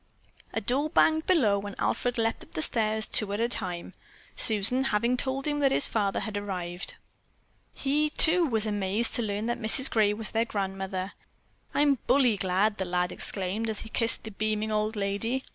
A door banged below and Alfred leaped up the stairs two steps at a time, Susan having told him that his father had arrived. He, too, was amazed to learn that Mrs. Gray was their grandmother. "I'm bully glad," the lad exclaimed, as he kissed the beaming old lady.